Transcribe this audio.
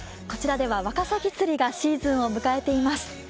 こちらではわかさぎ釣りがシーズンを迎えています。